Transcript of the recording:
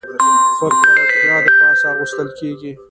پر پرتاګه د پاسه اغوستل کېږي.